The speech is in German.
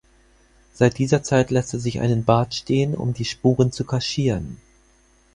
Seit dieser Zeit lässt er sich einen Bart stehen, um diese Spuren zu kaschieren.